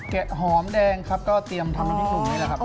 แกะหอมแดงครับก็เตรียมทำให้พี่ขุมด้วยแหละครับ